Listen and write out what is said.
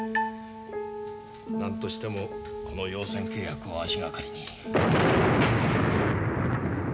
何としてもこの用船契約を足掛かりに。